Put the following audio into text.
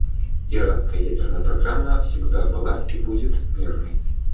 Иранская ядерная программа всегда была и будет мирной.